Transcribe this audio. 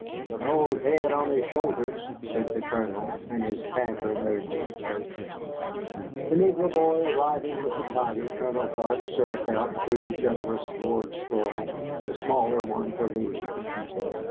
"With an old head on his shoulders," said the Colonel, and his banter made me flush. The negro boy arriving with the toddy, Colonel Clark served out three generous gourdfuls, a smaller one for me.